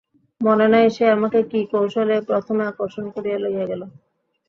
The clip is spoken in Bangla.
মনে নাই, সে আমাকে কী কৌশলে প্রথমে আকর্ষণ করিয়া লইয়া গেল।